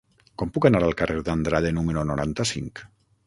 Com puc anar al carrer d'Andrade número noranta-cinc?